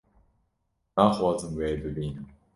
naxwazim wê bibînim